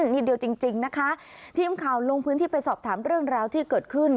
นิดเดียวจริงจริงนะคะทีมข่าวลงพื้นที่ไปสอบถามเรื่องราวที่เกิดขึ้น